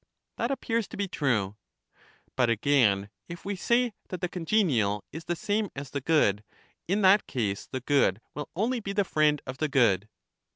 That appears to be true. But again if we say that the congenial is the same as the good, in that case the good will only be the friend of the good.